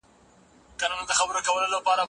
غیرت په رښتیا ویلو او مېړانه کي دی.